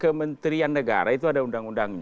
kementerian negara itu ada undang undangnya